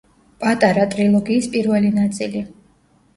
პატარა ტრილოგიის პირველი ნაწილი.